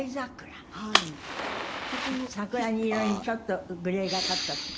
桜色にちょっとグレーがかったって事